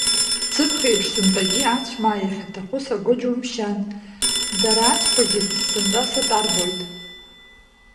Ҵыԥхеиԥш сынтәагьы ацәмаа иахьаҭаху саго џьумшьан, дара ацәқәагьы сынтәа сатәарбоит…